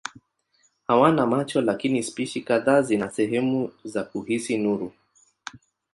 Hawana macho lakini spishi kadhaa zina sehemu za kuhisi nuru.